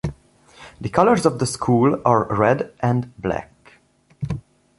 The colors of the school are red and black.